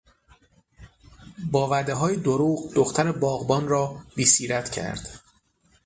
با وعدههای دروغ دختر باغبان را بیسیرت کرد.